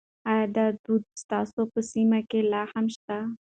ایا دا دود ستاسو په سیمه کې لا هم شته؟